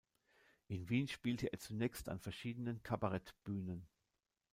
In Wien spielte er zunächst an verschiedenen Kabarettbühnen.